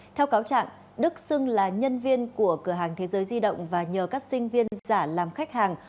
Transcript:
theo cáo trạng đức xưng là nhân viên của cửa hàng thế giới di động và nhờ các sinh viên giả làm khách hàng